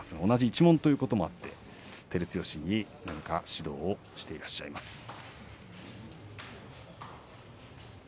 同じ一門ということもあって照強に何か指導をしていらっしゃいます。